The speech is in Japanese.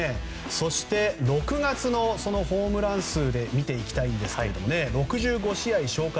そして、６月のホームラン数で見ていきたいんですが６５試合消化